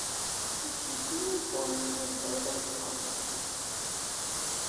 Kuchiki was born in Burbank, California.